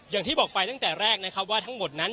อย่างที่บอกไปตั้งแต่แรกนะครับว่าทั้งหมดนั้น